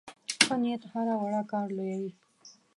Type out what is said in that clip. ښه نیت هره وړه کار لویوي.